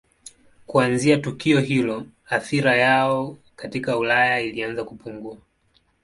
Kuanzia tukio hilo athira yao katika Ulaya ilianza kupungua.